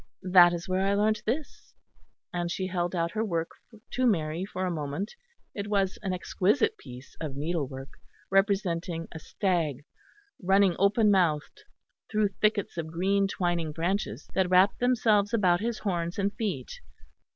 That is where I learnt this," and she held out her work to Mary for a moment. It was an exquisite piece of needlework, representing a stag running open mouthed through thickets of green twining branches that wrapped themselves about his horns and feet.